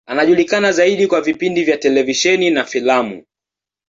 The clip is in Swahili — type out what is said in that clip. Anajulikana zaidi kwa vipindi vya televisheni na filamu.